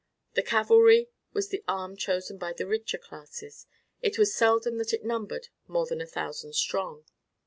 The cavalry was the arm chosen by the richer classes. It was seldom that it numbered more than a thousand strong.